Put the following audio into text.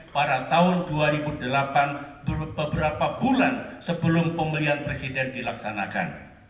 pada tahun dua ribu delapan beberapa bulan sebelum pemilihan presiden dilaksanakan